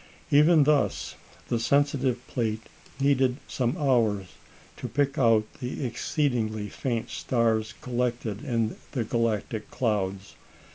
Even thus, the sensitive plate needed some hours to pick out the exceedingly faint stars collected in the galactic clouds.